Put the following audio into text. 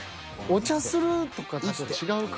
お茶するとかと違うから。